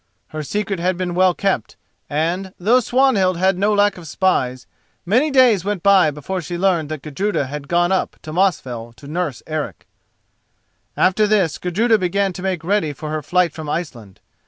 Her secret had been well kept, and, though Swanhild had no lack of spies, many days went by before she learned that Gudruda had gone up to Mosfell to nurse Eric. After this Gudruda began to make ready for her flight from Iceland.